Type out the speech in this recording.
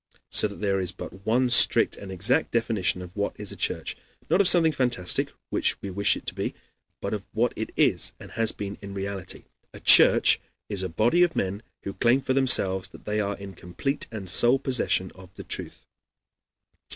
So that there is but one strict and exact definition of what is a church (not of something fantastic which we would wish it to be, but of what it is and has been in reality) a church is a body of men who claim for themselves that they are in complete and sole possession of the truth.